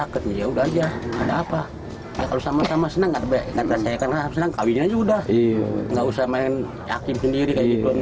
kalau sama sama senang gak usah main hakim sendiri